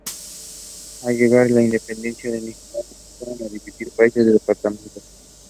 Al llegar la independencia de Nicaragua empezaron a dividir al país en departamentos.